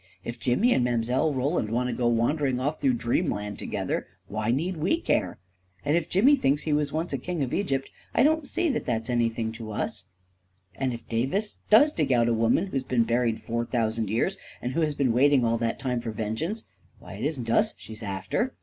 u If Jimmy and Mile. Roland want to go wandering off through dream land together, why need we care ? And if Jimmy thinks he was once a 288 A KING IN BABYLON king of Egypt, I don't see that it's anything to us I And if Davis does dig out a woman who has been buried four thousand years, and who has been wait ing all that time for vengeance — why, it isn't us she's after!